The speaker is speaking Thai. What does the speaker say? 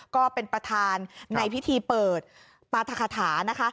ก็เป็นประธานในพิธีเปิดปรัฐคาถานะคะ